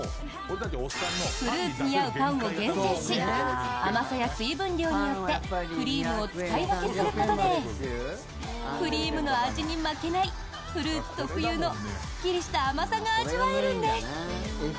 フルーツに合うパンを厳選し甘さや水分量によってクリームを使い分けすることでクリームの味に負けないフルーツ特有のすっきりした甘さが味わえるんです。